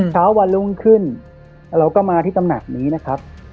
เช้าวันรุ่งขึ้นเราก็มาที่ตำหนักนี้นะครับ